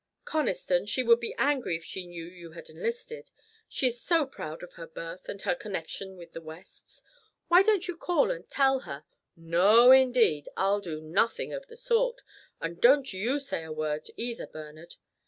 "Conniston, she would be angry if she knew you had enlisted. She is so proud of her birth and of her connection with the Wests. Why don't you call and tell her " "No, indeed. I'll do nothing of the sort. And don't you say a word either, Bernard.